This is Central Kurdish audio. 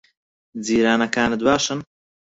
جیرانەکانت باشن؟